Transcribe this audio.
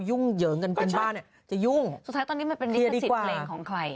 ยุ่งเหยิงกันเป็นบ้านเนี่ยจะยุ่งสุดท้ายตอนนี้มันเป็นลิขสิทธิ์เพลงของใคร